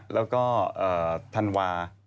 แล้วก็ธันวา